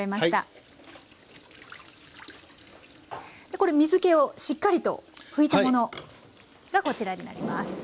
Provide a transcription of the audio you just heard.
これ水けをしっかりと拭いたものがこちらになります。